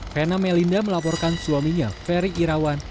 vena melinda melaporkan suaminya ferry irawan